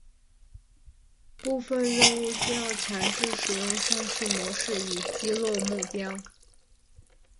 部分任务需要强制使用上述模式以击落目标。